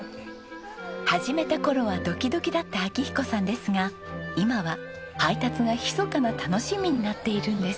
始めた頃はドキドキだった明彦さんですが今は配達がひそかな楽しみになっているんです。